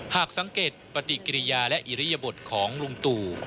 หากสังเกตปฏิกิริยาและอิริยบทของลุงตู่